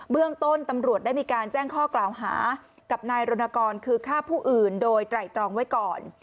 เรื่องต้นตำรวจได้มีการแจ้งข้อกล่าวหากับนายรณกรคือฆ่าผู้อื่นโดยไตรตรองไว้ก่อน